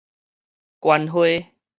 觀花